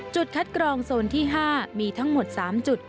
คัดกรองโซนที่๕มีทั้งหมด๓จุด